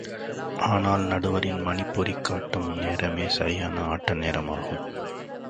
ஆனாலும், நடுவரின் மணிப்பொறி காட்டும் நேரமே சரியான ஆட்ட நேரம் ஆகும்.